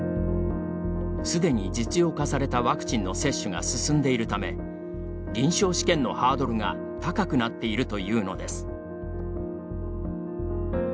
すでに実用化されたワクチンの接種が進んでいるため臨床試験のハードルが高くなっているというのです。